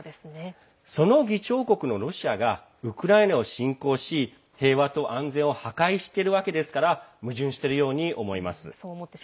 その議長国のロシアがウクライナを侵攻し平和と安全を破壊しているわけですから矛盾しているように思います。